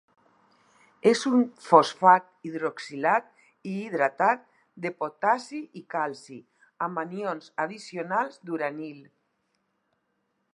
És un fosfat hidroxilat i hidratat de potassi i calci amb anions addicionals d'uranil.